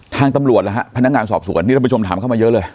ทางตำรวจหรือฮะพนักงานสอบสวนนี่ท่านผู้ชมถามเข้ามาเยอะเลย